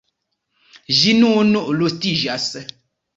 Ĝi ne rustiĝas.